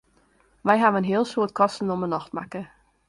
Wy hawwe in heel soad kosten om 'e nocht makke.